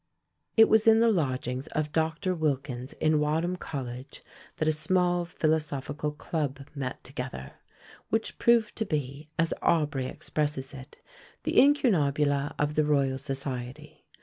It was in the lodgings of Dr. Wilkins in Wadham College that a small philosophical club met together, which proved to be, as Aubrey expresses it, the incunabula of the Royal Society.